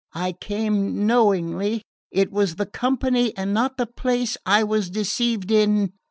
I came knowingly. It was the company and not the place I was deceived in."